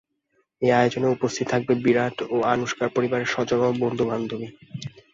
এ আয়োজনে উপস্থিত থাকবে বিরাট ও আনুশকার পরিবারের স্বজন ও বন্ধু বান্ধব।